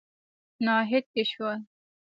ناهيد کشور